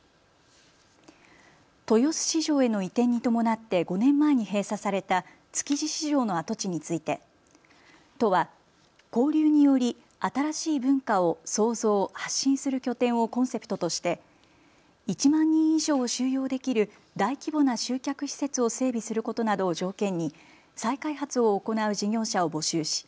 豊洲市場への移転に伴って５年前に閉鎖された築地市場の跡地について都は交流により新しい文化を創造・発信する拠点をコンセプトとして１万人以上収容できる大規模な集客施設を整備することなどを条件に再開発を行う事業者を募集し